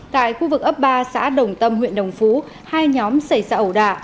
tại khu vực ấp ba xã đồng tâm huyện đồng phú hai nhóm xảy ra ẩu đả